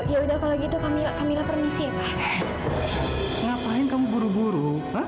ya udah kalau gitu kami akan minta permisi apa yang kamu buru buru